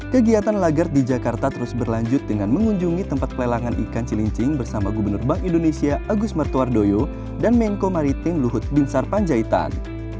kegiatan lagarde di jakarta terus berlanjut dengan mengunjungi tempat pelelangan ikan cilincing bersama gubernur bank indonesia agus martuardoyo dan menko maritim luhut binsar panjaitan